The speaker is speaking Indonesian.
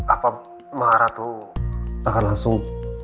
apa maharatu akan langsung